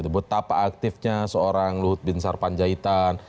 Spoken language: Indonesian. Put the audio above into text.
betapa aktifnya seorang luhut bin sarpanjaitan